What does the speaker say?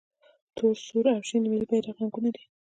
تور، سور او شین د ملي بیرغ رنګونه دي.